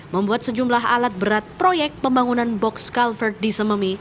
membuat sejumlah alat berat proyek pembangunan box culvert di sememi